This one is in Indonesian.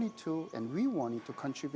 dan kami ingin lebih banyak berkontribusi